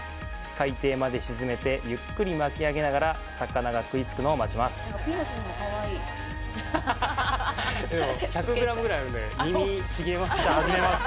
海底まで沈めてゆっくり巻き上げながら、魚が食いつくのを待ちます。